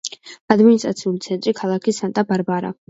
ადმინისტრაციული ცენტრი ქალაქი სანტა-ბარბარა.